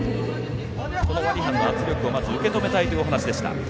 このラリハンの圧力をまず受け止めたいということでした。